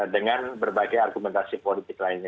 dengan berbagai argumentasi politik lainnya